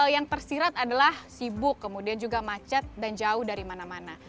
yang tersirat adalah sibuk kemudian juga macet dan jauh dari mana mana